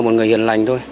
một người hiền lành thôi